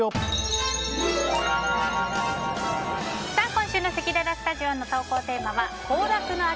今週のせきららスタジオの投稿テーマは行楽の秋！